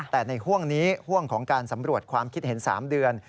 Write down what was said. แต่ในห่วงนี้ห่วงของการสำรวจความคิดเห็น๓เดือน